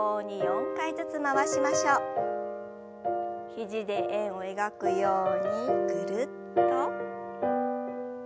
肘で円を描くようにぐるっと。